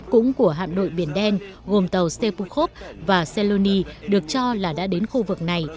cũng của hạm đội biển đen gồm tàu sepukhov và seloni được cho là đã đến khu vực này